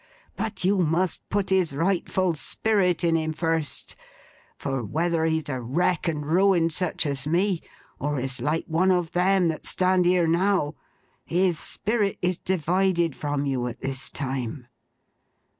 But you must put his rightful spirit in him first; for, whether he's a wreck and ruin such as me, or is like one of them that stand here now, his spirit is divided from you at this time.